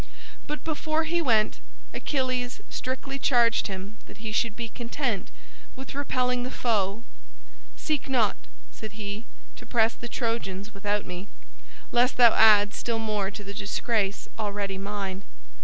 But before he went, Achilles strictly charged him that he should be content with repelling the foe "Seek not," said he, "to press the Trojans without me, lest thou add still more to the disgrace already mine."